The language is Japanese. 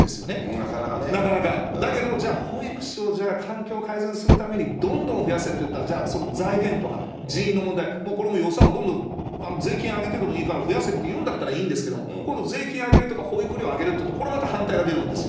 なかなか、だけどじゃあ、保育士を環境改善するためにどんどん増やせっていったら、じゃあその財源とか、人員の問題、これも予算をどんどん税金上げてでもいいから増やせっていうんだったらいいんですけど、これも税金上げるとか、保育料上げるっていうと、これまた反対が出るんですよ。